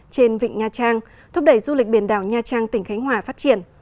trên vịnh nha trang thúc đẩy du lịch biển đảo nha trang tỉnh khánh hòa phát triển